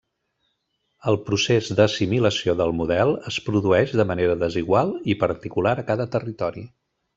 El procés d’assimilació del model es produeix de manera desigual i particular a cada territori.